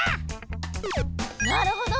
なるほど！